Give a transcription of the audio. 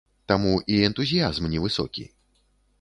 Таму і энтузіязм невысокі.